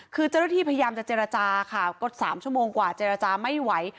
คือเจ้าหน้าที่พยายามจะเจรจาค่ะก็๓ชั่วโมงกว่าเจรจาไม่ไหว